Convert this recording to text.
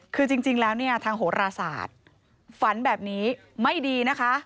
คือจริงแล้วเนี่ยทางโหราศาสตร์ฝันแบบนี้ไม่ดีนะคะ